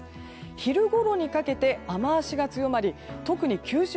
昼ごろにかけて雨脚が強まり特に九州